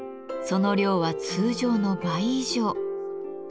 その量は通常の倍以上。